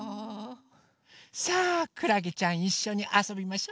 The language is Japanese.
さあくらげちゃんいっしょにあそびましょ。